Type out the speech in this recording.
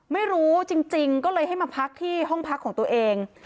ไม่รู้จริงก็เลยให้มาพักที่ห้องพักของตัวเอง